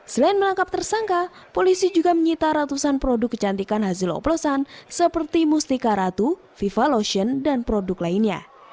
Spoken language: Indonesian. selain menangkap tersangka polisi juga menyita ratusan produk kecantikan hasil oplosan seperti mustika ratu fifa lotion dan produk lainnya